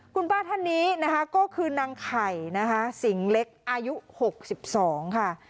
คุณป้าท่านนี้นะคะก็คือนางไข่นะคะสิงเล็กอายุ๖๒ค่ะ